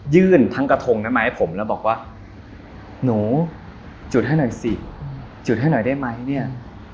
ยื่นทั้งกระทงนั้นมาให้ผมแล้วบอกว่าหนูจุดให้หน่อยสิจุดให้หน่อยได้ไหมเนี่ย